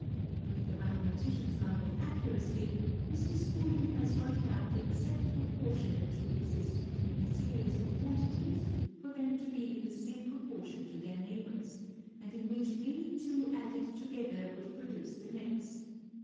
With the mathematician's love of accuracy, Mr. Schooling has worked out the exact proportion that should exist between a series of quantities for them to be in the same proportion to their neighbours, and in which any two added together would produce the next.